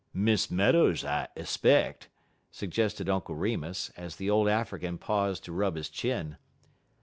"Miss Meadows, I 'speck," suggested Uncle Remus, as the old African paused to rub his chin.